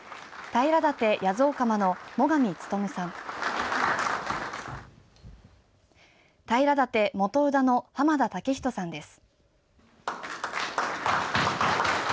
平舘元宇田の濱田武人さんです。